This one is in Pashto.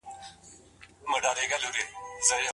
ده د تاريخ مسووليت احساساوه.